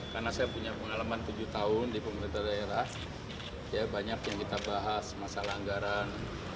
karena saya punya pengalaman tujuh tahun di pemerintah daerah ya banyak yang kita bahas masalah anggaran